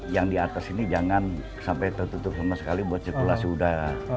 yang di atas ini jangan sampai tertutup sama sekali buat sirkulasi udara